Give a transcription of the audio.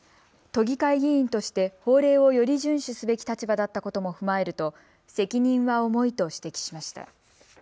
都議会議員として法令をより順守すべき立場だったことも踏まえると責任は重いと指摘しました。